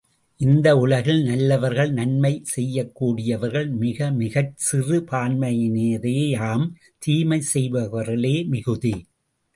இந்த உலகில் நல்லவர்கள் நன்மை செய்யக்கூடியவர்கள் மிக மிகச் சிறுபான்மையினரேயாம் தீமை செய்பவர்களே மிகுதி.